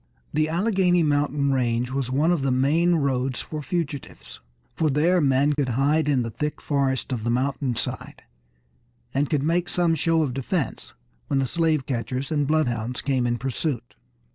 The Alleghany Mountain range was one of the main roads for fugitives, for there men could hide in the thick forests of the mountainside, and could make some show of defense when the slave catchers and bloodhounds came in pursuit.